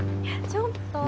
ちょっと。